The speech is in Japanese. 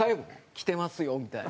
「来てますよ」みたいな。